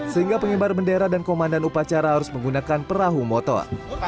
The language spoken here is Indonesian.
sehingga pengibar bendera dan komandan upacara harus menggunakan perahu motor